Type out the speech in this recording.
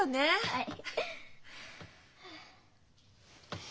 はい。